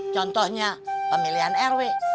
contohnya pemilihan rw